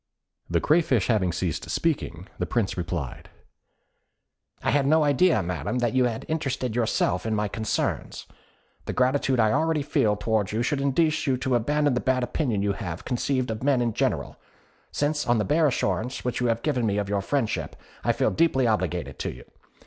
" The Crayfish having ceased speaking, the Prince replied, "I had no idea, Madam, that you had interested yourself in my concerns. The gratitude I already feel towards you should induce you to abandon the bad opinion you have conceived of men in general, since on the bare assurance which you have given me of your friendship, I feel deeply obliged to you.